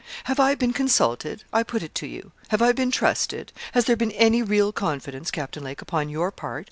Have I been consulted? I put it to you; have I been trusted? Has there been any real confidence, Captain Lake, upon your part?